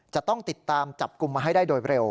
จะต้องติดตามจับกลุ่มมาให้ได้โดยเร็ว